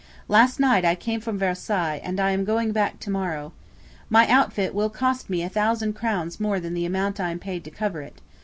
Last night I came from Versailles and I am going back to morrow. My outfit will cost me a thousand crowns more than the amount I am paid to cover it.